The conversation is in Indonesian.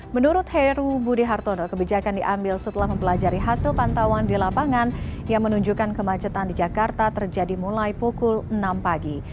menurut heru budi hartono kebijakan diambil setelah mempelajari hasil pantauan di lapangan yang menunjukkan kemacetan di jakarta terjadi mulai pukul enam pagi